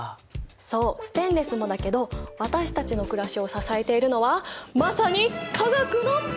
そうステンレスもだけど私たちのくらしを支えているのはまさに化学の力！